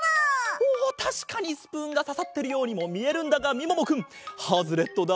おたしかにスプーンがささってるようにもみえるんだがみももくんハズレットだ。